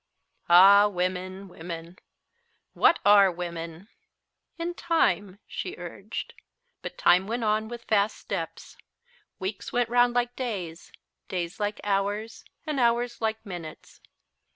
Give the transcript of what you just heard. Ah, women, women! What are women? "In time," she urged. But time went on with fast steps. Weeks went 'round like days, days like hours and hours like minutes.